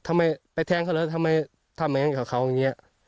ทำไมไปแท้งเขาเลยทำไมทำอย่างงี้กับเขาอย่างเงี้ย